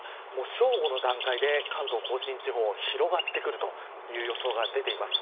正午の段階で関東甲信地方に広がってくる予想が出ています。